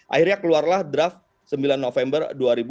akhirnya keluarlah draft sembilan november dua ribu dua puluh